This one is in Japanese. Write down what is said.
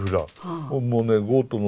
もうねゴートのね